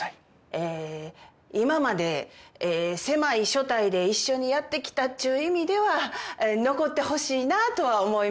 えー今まで狭い所帯で一緒にやってきたっちゅう意味では残ってほしいなとは思います。